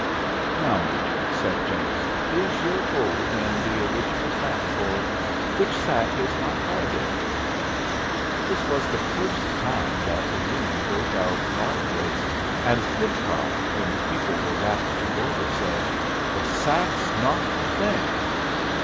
"Now, Major," said Jenks, "is your gold in the original sack, or which sack is my card in?" This was the first time that the room broke out loudly; and Pidcock, when the people were rapped to order, said, "The sack's not the thing."